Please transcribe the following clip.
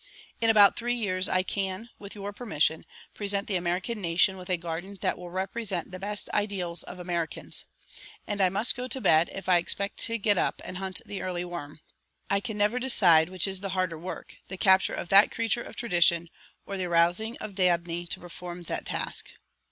In about three years I can, with your permission, present the American nation with a garden that will represent the best ideals of Americans; and I must go to bed if I expect to get up and hunt the early worm. I can never decide which is the harder work, the capture of that creature of tradition or the arousing of Dabney to perform that task.